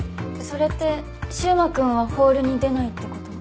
それって柊磨君はホールに出ないってこと？